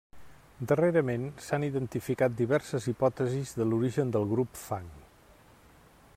Darrerament s'han identificat diverses hipòtesis de l'origen del grup fang.